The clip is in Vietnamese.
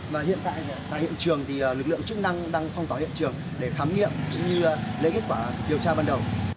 và hiện tại tại hiện trường thì lực lượng chức năng đang phong tỏa hiện trường để khám nghiệm cũng như lấy kết quả điều tra ban đầu